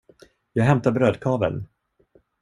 Jag hämtar brödkaveln.